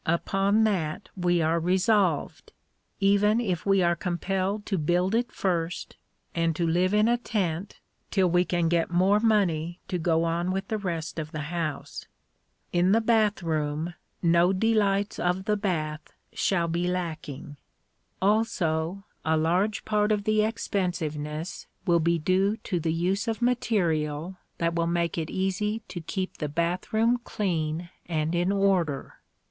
Upon that we are resolved even if we are compelled to build it first, and to live in a tent till we can get more money to go on with the rest of the house. In the bath room no delights of the bath shall be lacking. Also, a large part of the expensiveness will be due to the use of material that will make it easy to keep the bathroom clean and in order.